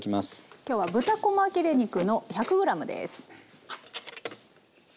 今日は豚こま切れ肉の１００ｇです。